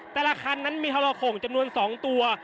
แต่ละคันนั้นมีทรโข่งจำนวน๒ตัว